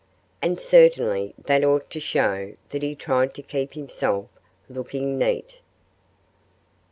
And certainly that ought to show that he tried to keep himself looking neat.